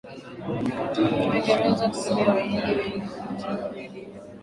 Waingereza kutumia Wahindi wengi kujenga reli ya